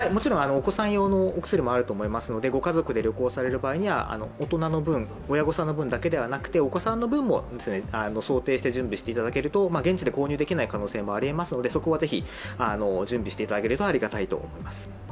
もちろんお子さん用のお薬もあると思いますので、ご家族で旅行される際には大人の分だけではなくて、お子さんの分も想定して準備していただけると現地で購入できない可能性もありますので、そこはぜひ準備していただけるとありがたいなと思います。